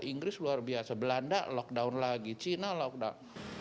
inggris luar biasa belanda lockdown lagi china lockdown